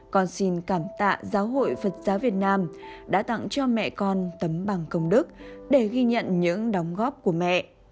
con xin cảm tạ giáo hội phật giáo việt nam đã tặng cho mẹ con tấm bằng công đức để ghi nhận những đóng góp của mẹ